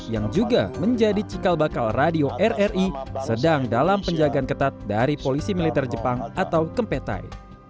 yang juga menjadi cikal bakal radio rri sedang dalam penjagaan ketat dari polisi militer jepang atau kempetai